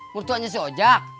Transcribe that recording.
mertuanya si ojak